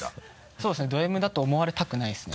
そうですねドＭだと思われたくないですね。